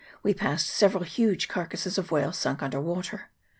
We passed several huge carcases of whales sunk under water.